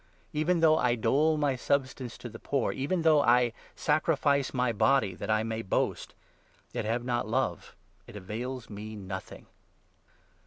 Even though I 3 dole my substance to the poor, even though I sacrifice my body, that I may boast, yet have not Love, it avails me nothing